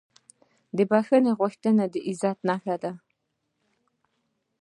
د بښنې غوښتنه د عزت نښه ده.